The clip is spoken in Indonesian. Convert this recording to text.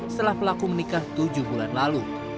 setelah pelaku menikah tujuh bulan lalu